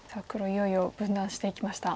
いよいよ分断していきました。